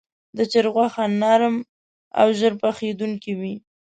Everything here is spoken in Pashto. د چرګ غوښه نرم او ژر پخېدونکې وي.